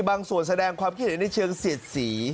บางส่วนแสดงความคิดเห็นในเชิงเสียดสี